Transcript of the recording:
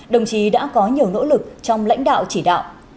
đồng chí đã có nhiều nỗ lực trong lãnh đạo chỉ đạo